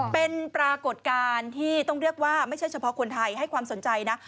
เป็นปรากฏการณ์ที่ต้องเรียกว่าไม่ใช่เฉพาะคนไทยให้ความสนใจนะ